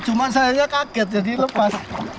cuma sayangnya kaget jadi lepas